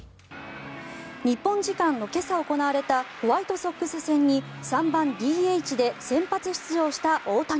日本時間の今朝行われたホワイトソックス戦に３番ＤＨで先発出場した大谷。